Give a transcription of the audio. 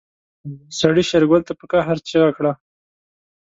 سړي شېرګل ته په قهر چيغه کړه.